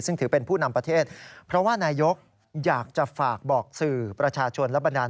ซึ่งถือเป็นผู้นำประเทศเพราะว่านายกอยากจะฝากบอกสื่อประชาชนและบรรดาล